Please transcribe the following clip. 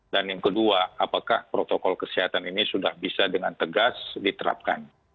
dan yang kedua apakah protokol kesehatan ini sudah bisa dengan tegas diterapkan